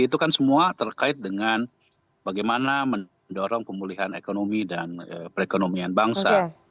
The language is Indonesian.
itu kan semua terkait dengan bagaimana mendorong pemulihan ekonomi dan perekonomian bangsa